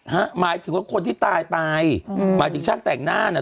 หมายถึงว่าคนที่ตายไปอืมหมายถึงช่างแต่งหน้าน่ะ